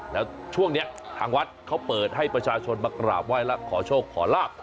แล้วช่วงนี้ทางวัดเขาเปิดให้ประชาชนมากราบไหว้และขอโชคขอลาบ